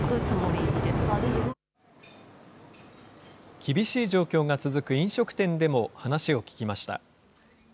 厳しい状況が続く飲食店でも話を聞きました。